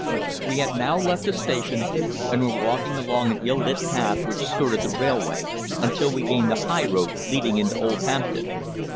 We had now left the station, and were walking along an ill lit path which skirted the railway until we gained the high road leading into Old Hampton.